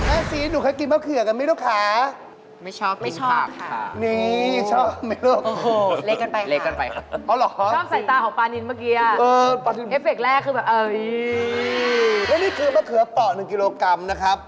แล้วนี่คือมะเขือเปาะ๑กิโลกรัมนะครับ